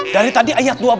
dari tadi ayat dua belas